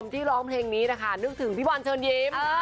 ที่ร้องเพลงนี้นะคะนึกถึงพี่บอลเชิญยิ้ม